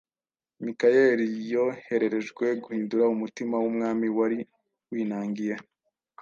Mikayeli, yohererejwe guhindura umutima w’umwami wari winangiye